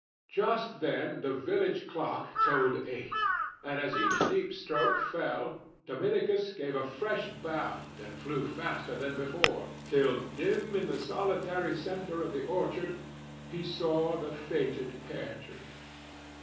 Just then the village clock tolled eight, and as each deep stroke fell Dominicus gave a fresh bound and flew faster than before, till, dim in the solitary centre of the orchard, he saw the fated pear tree.